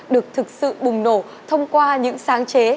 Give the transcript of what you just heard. được thực sự bùng nổ thông qua những sáng chế